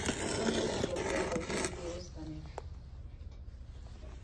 تُندې دي شغلې او سرې دي اوسپنې